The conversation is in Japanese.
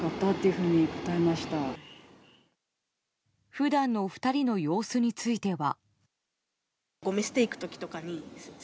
普段の２人の様子については。